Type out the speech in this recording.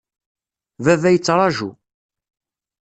Baba yettraju.